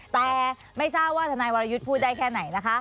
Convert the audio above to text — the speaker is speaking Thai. แต่ไม่ทราบว่าทนายวรยุทธ์พูดได้แค่ไหนนะคะ